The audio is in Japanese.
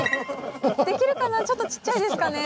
できるかなちょっとちっちゃいですかね。